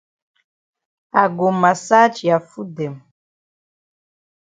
I go massage ya foot dem.